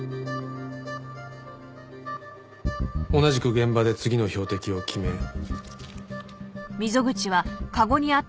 同じく現場で次の標的を決め。